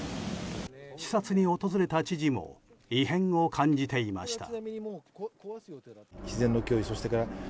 視察に訪れた知事も異変を感じていました。